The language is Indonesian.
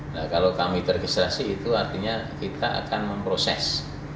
nah kalau kami teregistrasi itu artinya kita akan memproses